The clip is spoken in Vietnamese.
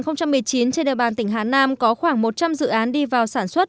năm hai nghìn một mươi chín trên địa bàn tỉnh hà nam có khoảng một trăm linh dự án đi vào sản xuất